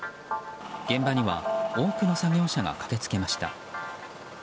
現場には多くの作業車が駆けつけました。